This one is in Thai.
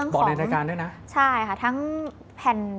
บอกในรายการด้วยนะ